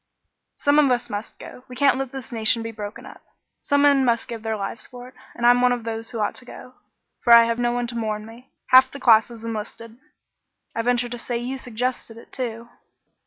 "Some of us must go; we can't let this nation be broken up. Some men must give their lives for it; and I'm one of those who ought to go, for I have no one to mourn for me. Half the class has enlisted." "I venture to say you suggested it, too?"